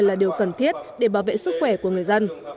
là điều cần thiết để bảo vệ sức khỏe của người dân